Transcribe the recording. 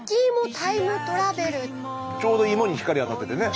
ちょうどイモに光当たっててね。